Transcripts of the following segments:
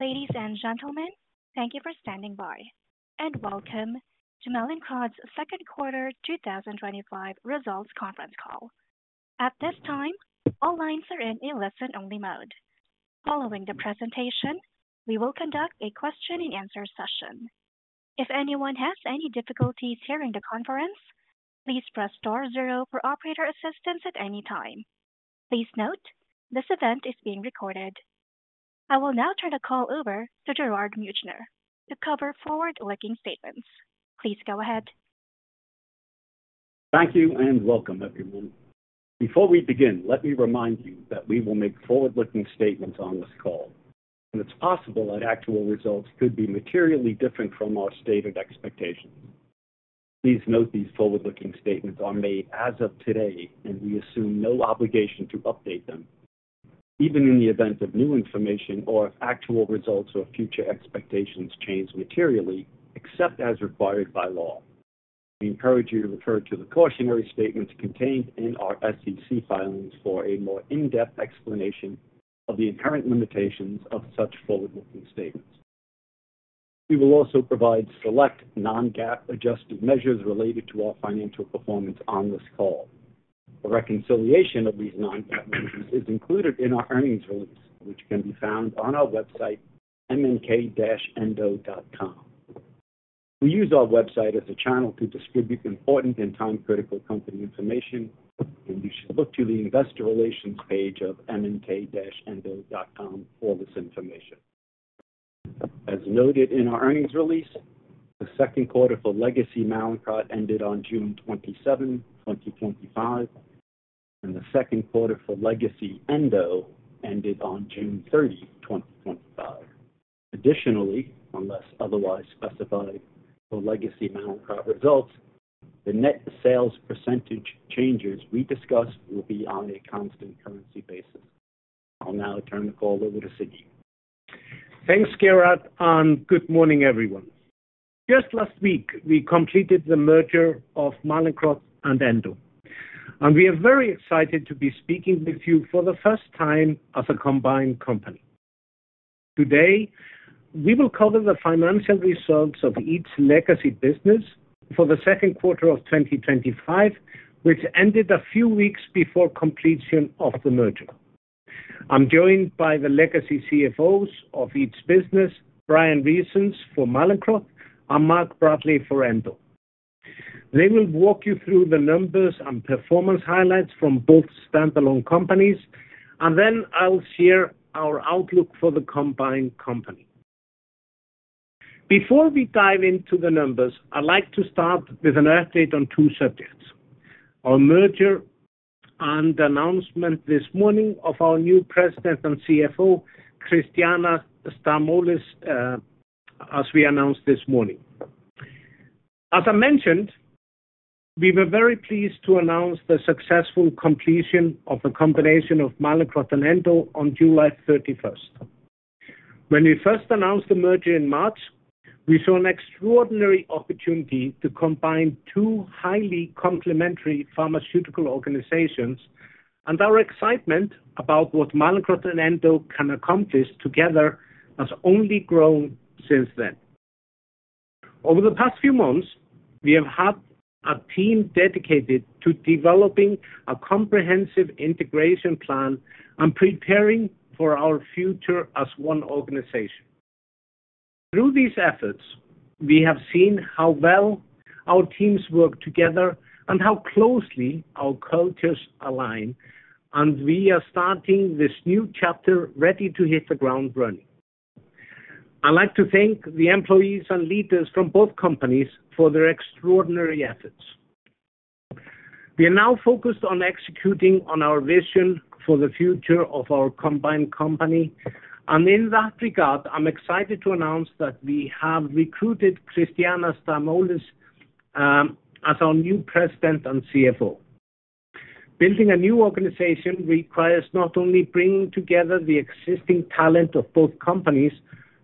Ladies and gentlemen, thank you for standing by and welcome to Endo Inc.'s second quarter 2025 results conference call. At this time, all lines are in a listen-only mode. Following the presentation, we will conduct a question-and-answer session. If anyone has any difficulties hearing the conference, please press star zero for operator assistance at any time. Please note, this event is being recorded. I will now turn the call over to Gerard Meuchner to cover forward-looking statements. Please go ahead. Thank you and welcome, everyone. Before we begin, let me remind you that we will make forward-looking statements on this call, and it's possible that actual results could be materially different from our stated expectations. Please note these forward-looking statements are made as of today, and we assume no obligation to update them. Even in the event of new information or actual results or future expectations change materially, except as required by law, we encourage you to refer to the cautionary statements contained in our SEC filings for a more in-depth explanation of the inherent limitations of such forward-looking statements. We will also provide select non-GAAP adjusted measures related to our financial performance on this call. A reconciliation of these non-GAAP measures is included in our earnings release, which can be found on our website, mnk-endo.com. We use our website as a channel to distribute important and time-critical company information, and you should look to the investor relations page of mnk-endo.com for this information. As noted in our earnings release, the second quarter for legacy Mallinckrodt ended on June 27, 2025, and the second quarter for legacy Endo ended on June 30, 2025. Additionally, unless otherwise specified for legacy Mallinckrodt results, the net sales percentage changes we discuss will be on a constant currency basis. I'll now turn the call over to Sigurdur. Thanks, Gerard, and good morning, everyone. Just last week, we completed the merger of Mallinckrodt and Endo Inc., and we are very excited to be speaking with you for the first time as a combined company. Today, we will cover the financial results of each legacy business for the second quarter of 2025, which ended a few weeks before completion of the merger. I'm joined by the legacy CFOs of each business, Brian Reasons for Mallinckrodt and Mark Bradley for Endo Inc. They will walk you through the numbers and performance highlights from both standalone companies, and then I'll share our outlook for the combined company. Before we dive into the numbers, I'd like to start with an update on two subjects: our merger and the announcement this morning of our new President and CFO, Cristiana Stamolis, as we announced this morning. As I mentioned, we were very pleased to announce the successful completion of the combination of Mallinckrodt and Endo Inc. on July 31. When we first announced the merger in March, we saw an extraordinary opportunity to combine two highly complementary pharmaceutical organizations, and our excitement about what Mallinckrodt and Endo Inc. can accomplish together has only grown since then. Over the past few months, we have had a team dedicated to developing a comprehensive integration plan and preparing for our future as one organization. Through these efforts, we have seen how well our teams work together and how closely our cultures align, and we are starting this new chapter ready to hit the ground running. I'd like to thank the employees and leaders from both companies for their extraordinary efforts. We are now focused on executing on our vision for the future of our combined company, and in that regard, I'm excited to announce that we have recruited Cristiana Stamolis as our new President and CFO. Building a new organization requires not only bringing together the existing talent of both companies,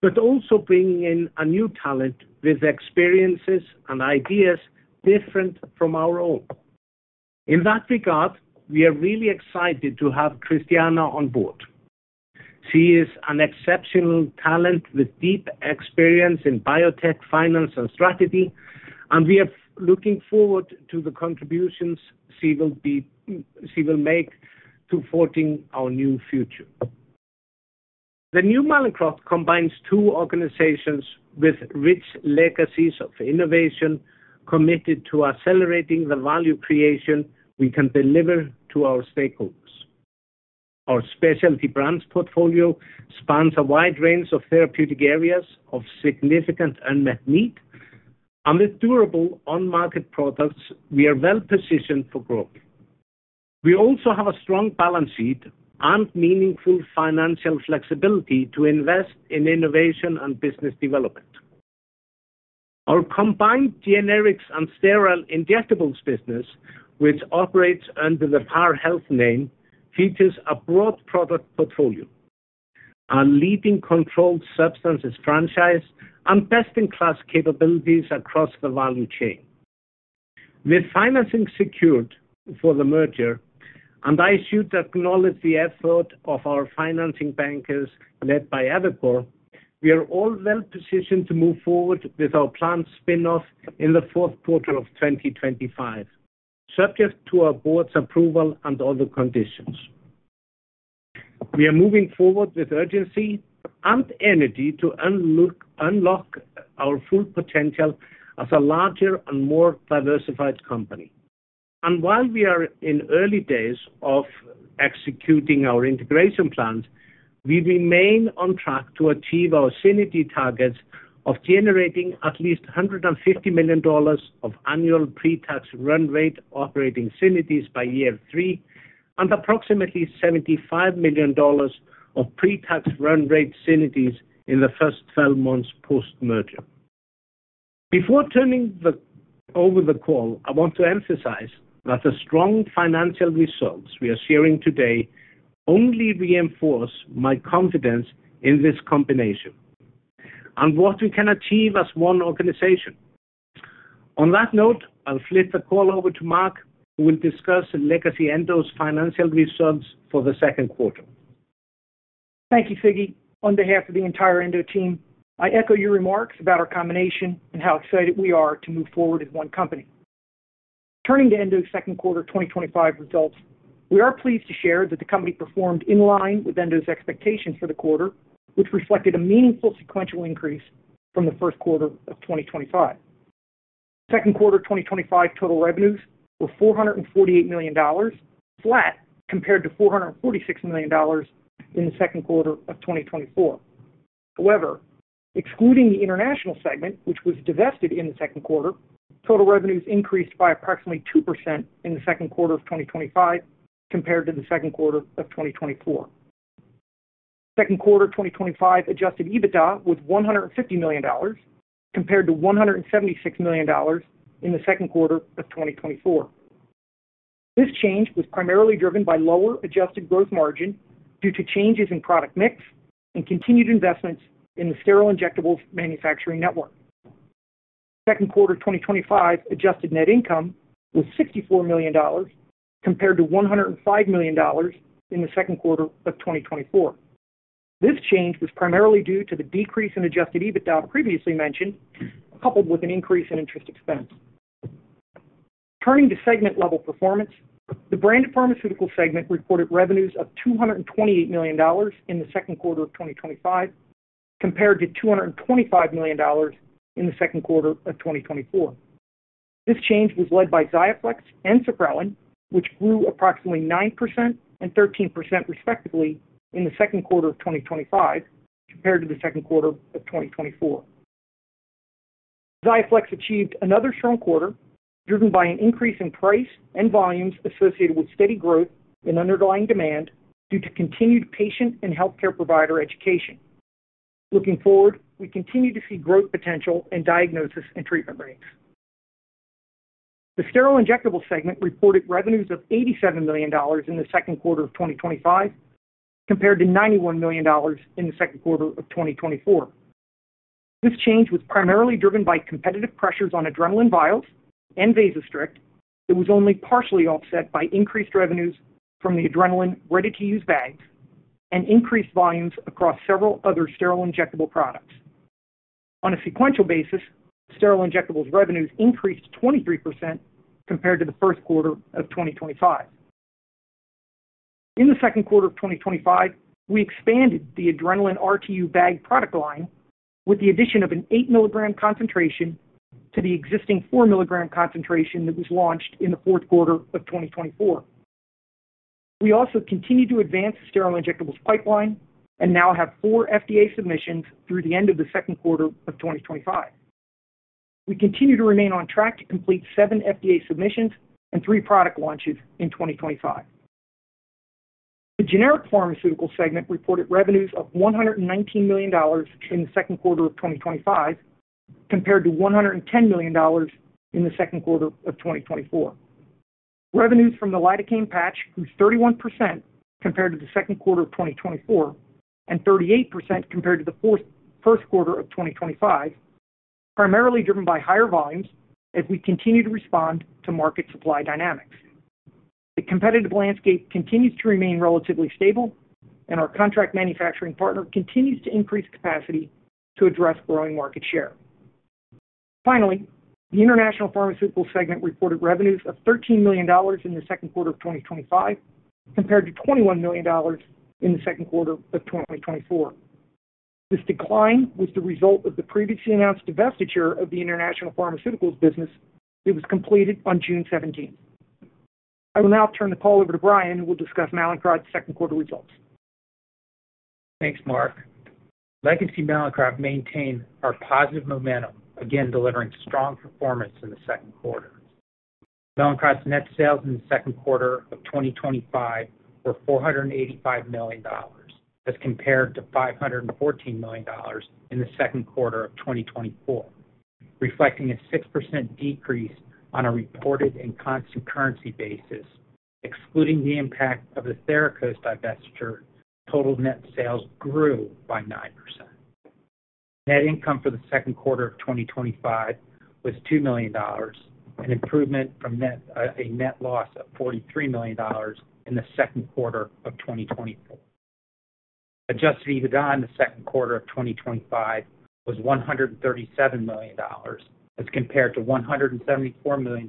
but also bringing in a new talent with experiences and ideas different from our own. In that regard, we are really excited to have Cristiana on board. She is an exceptional talent with deep experience in biotech, finance, and strategy, and we are looking forward to the contributions she will make towards our new future. The new Endo Inc. combines two organizations with rich legacies of innovation committed to accelerating the value creation we can deliver to our stakeholders. Our specialty brands portfolio spans a wide range of therapeutic areas of significant unmet need, and with durable on-market products, we are well positioned for growth. We also have a strong balance sheet and meaningful financial flexibility to invest in innovation and business development. Our combined generics and sterile injectables business, which operates under the Par Health name, features a broad product portfolio, a leading controlled substances franchise, and best-in-class capabilities across the value chain. With financing secured for the merger, and I should acknowledge the effort of our financing bankers led by Evercore, we are all well positioned to move forward with our planned spin-off in the fourth quarter of 2025, subject to our Board's approval and other conditions. We are moving forward with urgency and energy to unlock our full potential as a larger and more diversified company. While we are in early days of executing our integration plans, we remain on track to achieve our synergy targets of generating at least $150 million of annual pre-tax run-rate operating synergies by year three and approximately $75 million of pre-tax run-rate synergies in the first 12 months post-merger. Before turning over the call, I want to emphasize that the strong financial results we are sharing today only reinforce my confidence in this combination and what we can achieve as one organization. On that note, I'll flip the call over to Mark Bradley, who will discuss legacy Endo's financial results for the second quarter. Thank you, Sigurdur. On behalf of the entire Endo team, I echo your remarks about our combination and how excited we are to move forward as one company. Turning to Endo's second quarter 2025 results, we are pleased to share that the company performed in line with Endo's expectations for the quarter, which reflected a meaningful sequential increase from the first quarter of 2025. Second quarter 2025 total revenues were $448 million, flat compared to $446 million in the second quarter of 2024. However, excluding the international segment, which was divested in the second quarter, total revenues increased by approximately 2% in the second quarter of 2025 compared to the second quarter of 2024. Second quarter 2025 adjusted EBITDA was $150 million compared to $176 million in the second quarter of 2024. This change was primarily driven by lower adjusted gross margin due to changes in product mix and continued investments in the sterile injectables manufacturing network. Second quarter 2025 adjusted net income was $64 million compared to $105 million in the second quarter of 2024. This change was primarily due to the decrease in adjusted EBITDA previously mentioned, coupled with an increase in interest expense. Turning to segment-level performance, the branded pharmaceuticals segment reported revenues of $228 million in the second quarter of 2025 compared to $225 million in the second quarter of 2024. This change was led by XIAFLEX and Supprelin, which grew approximately 9% and 13% respectively in the second quarter of 2025 compared to the second quarter of 2024. XIAFLEX achieved another strong quarter driven by an increase in price and volumes associated with steady growth in underlying demand due to continued patient and healthcare provider education. Looking forward, we continue to see growth potential in diagnosis and treatment rates. The sterile injectables segment reported revenues of $87 million in the second quarter of 2025 compared to $91 million in the second quarter of 2024. This change was primarily driven by competitive pressures on ADRENALIN vials and VASOSTRICT that was only partially offset by increased revenues from the adrenaline RTU bag line and increased volumes across several other sterile injectable products. On a sequential basis, sterile injectables revenues increased 23% compared to the first quarter of 2025. In the second quarter of 2025, we expanded the adrenaline RTU bag product line with the addition of an 8 mg concentration to the existing 4 mg concentration that was launched in the fourth quarter of 2024. We also continue to advance the sterile injectables pipeline and now have four FDA submissions through the end of the second quarter of 2025. We continue to remain on track to complete seven FDA submissions and three product launches in 2025. The generic pharmaceutical segment reported revenues of $119 million in the second quarter of 2025 compared to $110 million in the second quarter of 2024. Revenues from the lidocaine patch grew 31% compared to the second quarter of 2024 and 38% compared to the first quarter of 2025, primarily driven by higher volumes as we continue to respond to market supply dynamics. The competitive landscape continues to remain relatively stable, and our contract manufacturing partner continues to increase capacity to address growing market share. Finally, the international pharmaceutical segment reported revenues of $13 million in the second quarter of 2025 compared to $21 million in the second quarter of 2024. This decline was the result of the previously announced divestiture of the international pharmaceuticals business that was completed on June 17. I will now turn the call over to Brian, who will discuss Mallinckrodt's second quarter results. Thanks, Mark. Legacy Mallinckrodt maintained our positive momentum, again delivering strong performance in the second quarter. Mallinckrodt's net sales in the second quarter of 2025 were $485 million as compared to $514 million in the second quarter of 2024, reflecting a 6% decrease on a reported and constant currency basis. Excluding the impact of the Therakos divestiture, total net sales grew by 9%. Net income for the second quarter of 2025 was $2 million, an improvement from a net loss of $43 million in the second quarter of 2024. Adjusted EBITDA in the second quarter of 2025 was $137 million as compared to $174 million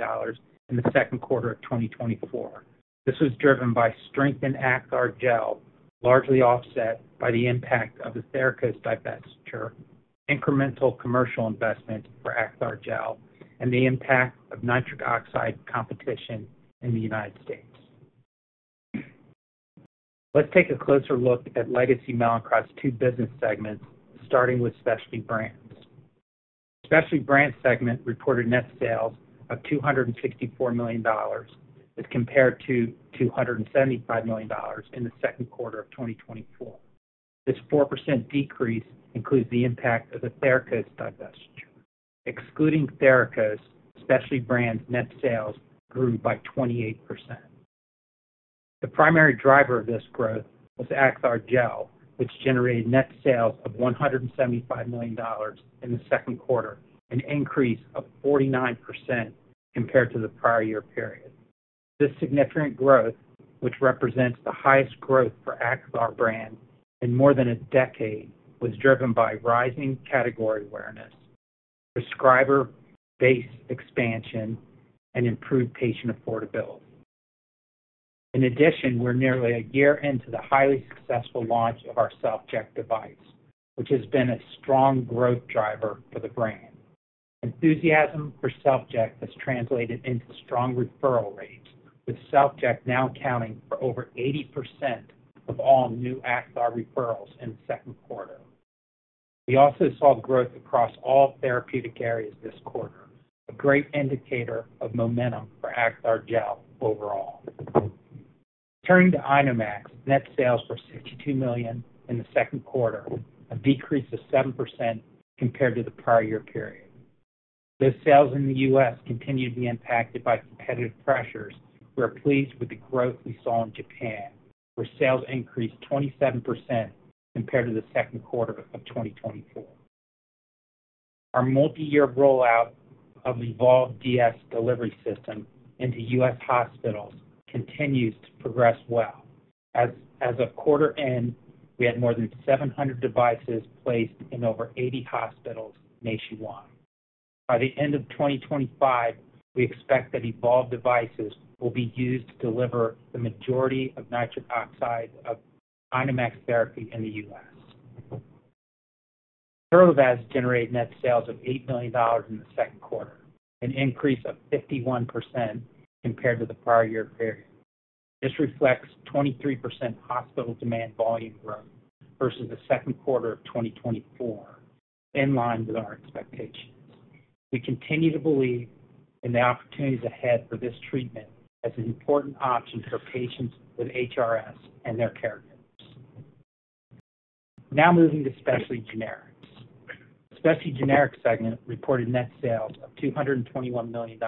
in the second quarter of 2024. This was driven by strength in AXSAR Gel, largely offset by the impact of the Therakos divestiture, incremental commercial investment for AXSAR Gel, and the impact of nitric oxide competition in the U.S. Let's take a closer look at Legacy Mallinckrodt's two business segments, starting with specialty brands. The specialty brand segment reported net sales of $264 million as compared to $275 million in the second quarter of 2024. This 4% decrease includes the impact of the Therakos divestiture. Excluding Therakos, specialty brand net sales grew by 28%. The primary driver of this growth was AXSAR Gel, which generated net sales of $175 million in the second quarter, an increase of 49% compared to the prior year period. This significant growth, which represents the highest growth for AXSAR brand in more than a decade, was driven by rising category awareness, prescriber base expansion, and improved patient affordability. In addition, we're nearly a year into the highly successful launch of our Self-Check device, which has been a strong growth driver for the brand. Enthusiasm for Self-Check has translated into strong referral rates, with Self-Check now accounting for over 80% of all new AXSAR referrals in the second quarter. We also saw growth across all therapeutic areas this quarter, a great indicator of momentum for AXSAR Gel overall. Turning to INOMAX, net sales were $62 million in the second quarter, a decrease of 7% compared to the prior year period. Those sales in the U.S. continue to be impacted by competitive pressures. We are pleased with the growth we saw in Japan, where sales increased 27% compared to the second quarter of 2024. Our multi-year rollout of the EVOLVE DS delivery system into U.S. hospitals continues to progress well. As of quarter end, we had more than 700 devices placed in over 80 hospitals nationwide. By the end of 2025, we expect that Evolve devices will be used to deliver the majority of nitric oxide of Inomax therapy in the U.S. Therakos generated net sales of $8 million in the second quarter, an increase of 51% compared to the prior year period. This reflects 23% hospital demand volume growth versus the second quarter of 2024, in line with our expectations. We continue to believe in the opportunities ahead for this treatment as an important option for patients with HRS and their caregivers. Now moving to specialty generics. The specialty generics segment reported net sales of $221 million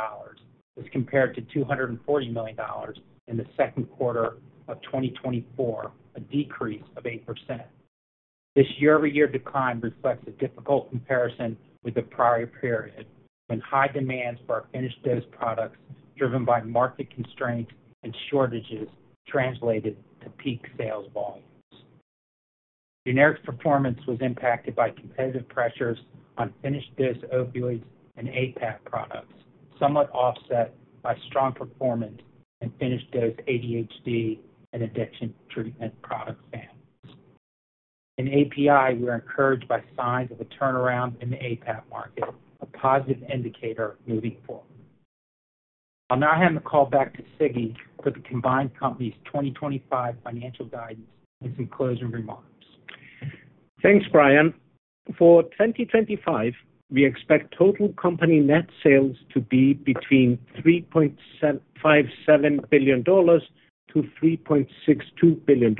as compared to $240 million in the second quarter of 2024, a decrease of 8%. This year-over-year decline reflects a difficult comparison with the prior period and high demand for our finished dose products, driven by market constraints and shortages translated to peak sales volumes. Generics performance was impacted by competitive pressures on finished dose opioids and APAP products, somewhat offset by strong performance in finished dose ADHD and addiction treatment product families. In API, we are encouraged by signs of a turnaround in the APAP market, a positive indicator moving forward. I'll now hand the call back to Sigurdur for the combined company's 2025 financial guidance and some closing remarks. Thanks, Brian. For 2025, we expect total company net sales to be between $3.57 billion and $3.62 billion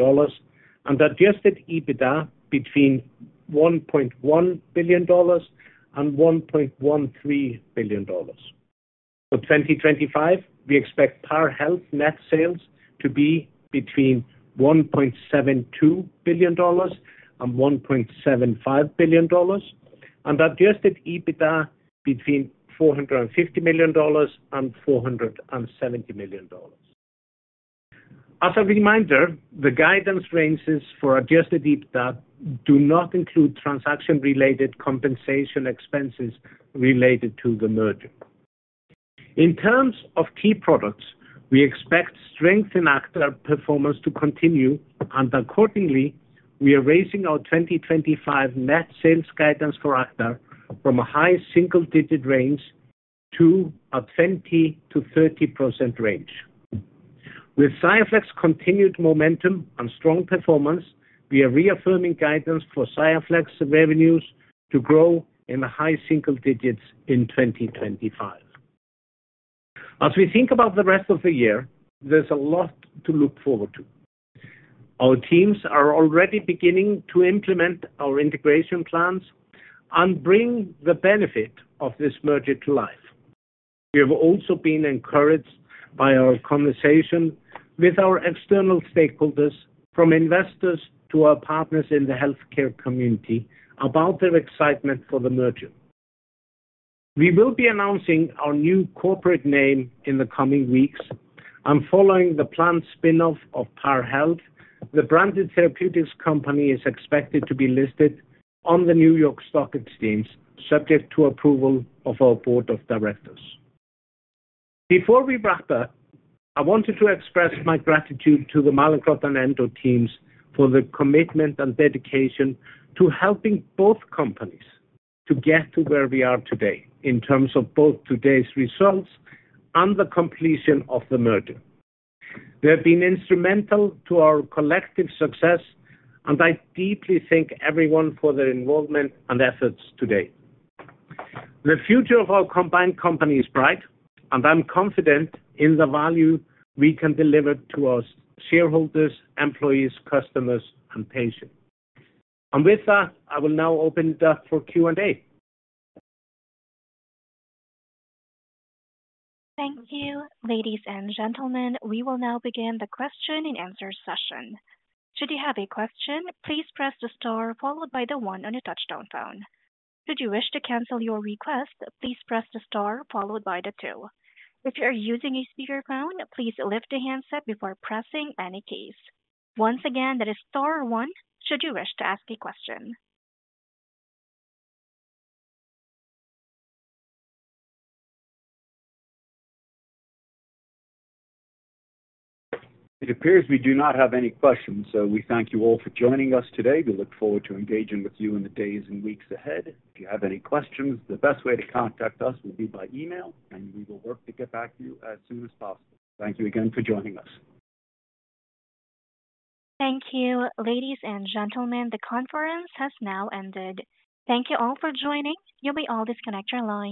and adjusted EBITDA between $1.1 billion and $1.13 billion. For 2025, we expect Par Health net sales to be between $1.72 billion and $1.75 billion and adjusted EBITDA between $450 million and $470 million. As a reminder, the guidance ranges for adjusted EBITDA do not include transaction-related compensation expenses related to the merger. In terms of key products, we expect strength in AXSAR Gel performance to continue, and accordingly, we are raising our 2025 net sales guidance for AXSAR Gel from a high single-digit range to a 20%-30% range. With XIAFLEX's continued momentum and strong performance, we are reaffirming guidance for XIAFLEX revenues to grow in the high single digits in 2025. As we think about the rest of the year, there's a lot to look forward to. Our teams are already beginning to implement our integration plans and bring the benefit of this merger to life. We have also been encouraged by our conversation with our external stakeholders, from investors to our partners in the healthcare community, about their excitement for the merger. We will be announcing our new corporate name in the coming weeks, and following the planned spin-off of Par Health, the branded therapeutics company is expected to be listed on the New York Stock Exchange, subject to approval of our board of directors. Before we wrap up, I wanted to express my gratitude to the Mallinckrodt and Endo teams for the commitment and dedication to helping both companies to get to where we are today in terms of both today's results and the completion of the merger. They have been instrumental to our collective success, and I deeply thank everyone for their involvement and efforts today. The future of our combined company is bright, and I'm confident in the value we can deliver to our shareholders, employees, customers, and patients. I will now open it up for Q&A. Thank you, ladies and gentlemen. We will now begin the question-and-answer session. Should you have a question, please press the star followed by the one on your touch-tone phone. Should you wish to cancel your request, please press the star followed by the two. If you're using a speakerphone, please lift the handset before pressing any keys. Once again, that is star one should you wish to ask a question. It appears we do not have any questions, so we thank you all for joining us today. We look forward to engaging with you in the days and weeks ahead. If you have any questions, the best way to contact us would be by email, and we will work to get back to you as soon as possible. Thank you again for joining us. Thank you, ladies and gentlemen. The conference has now ended. Thank you all for joining. You'll all be disconnected online.